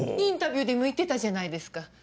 インタビューでも言ってたじゃないですか